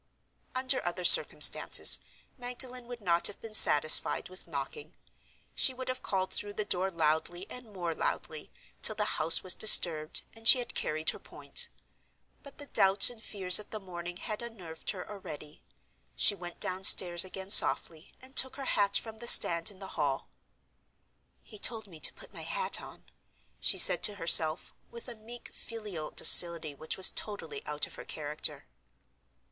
Under other circumstances, Magdalen would not have been satisfied with knocking—she would have called through the door loudly and more loudly, till the house was disturbed and she had carried her point. But the doubts and fears of the morning had unnerved her already. She went downstairs again softly, and took her hat from the stand in the hall. "He told me to put my hat on," she said to herself, with a meek filial docility which was totally out of her character.